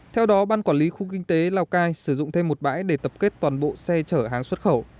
theo đó ban quản lý khu kinh tế lào cai sử dụng thêm một bãi để tập kết toàn bộ xe chở hàng xuất khẩu